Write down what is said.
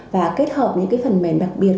và kết hợp những cái phần mềm đặc biệt